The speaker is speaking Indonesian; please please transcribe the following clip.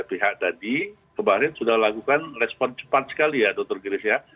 berbagai pihak tadi kemarin sudah melakukan respon cepat sekali ya dr grace ya